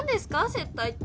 「接待」って。